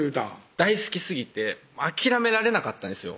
大好きすぎて諦められなかったんですよ